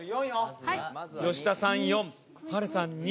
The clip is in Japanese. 吉田さん、４。